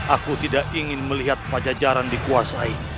aku tidak ingin melihat pajajaran dikuasai